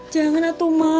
jangan atuh ma